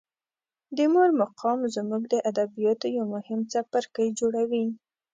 د مور مقام زموږ د ادبیاتو یو مهم څپرکی جوړوي.